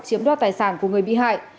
chiếm đoạt tài sản của người bị hại